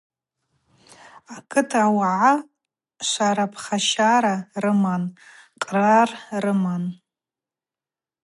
Акыт ауагӏа швара-пхащара рыман, кърар рыман.